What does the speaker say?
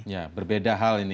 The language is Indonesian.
ya berbeda hal ini